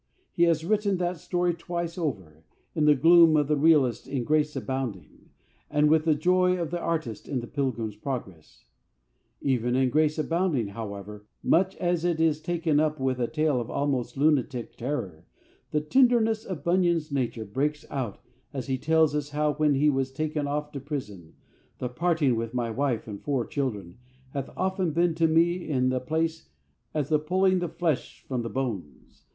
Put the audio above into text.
He has written that story twice over with the gloom of the realist in Grace Abounding, and with the joy of the artist in The Pilgrim's Progress. Even in Grace Abounding, however, much as it is taken up with a tale of almost lunatic terror, the tenderness of Bunyan's nature breaks out as he tells us how, when he was taken off to prison, "the parting with my wife and four children hath often been to me in the place as the pulling the flesh from the bones